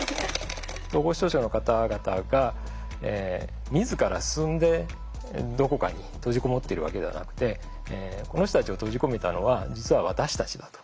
統合失調症の方々が自ら進んでどこかに閉じこもってるわけではなくてこの人たちを閉じ込めたのは実は私たちだと。